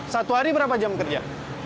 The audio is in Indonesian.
satu hari berapa jam kerja